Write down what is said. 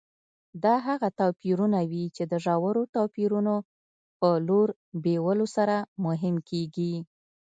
دا هغه توپیرونه وي چې د ژورو توپیرونو په لور بیولو سره مهم کېږي.